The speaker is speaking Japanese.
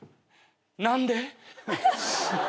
何で？